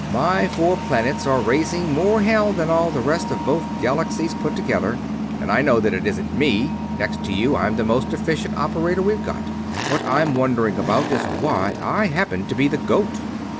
My four planets are raising more hell than all the rest of both galaxies put together, and I know that it isn't me next to you, I'm the most efficient operator we've got. What I'm wondering about is why I happen to be the goat."